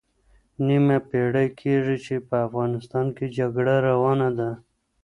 نیمه پېړۍ کېږي چې په افغانستان کې جګړه روانه ده.